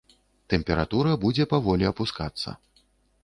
Тэмпература будзе паволі апускацца.